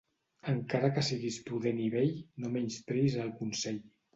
Encara que siguis prudent i vell, no menyspreïs el consell.